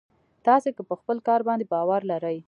تاسې که په خپل کار باندې باور لرئ.